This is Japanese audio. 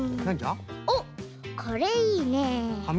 おっこれいいね。